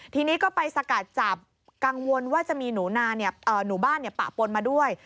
ทีนี้ก็ไปสกัดจับกังวลว่าจะมีหนูนาหนูบ้านปะปนมาด้วย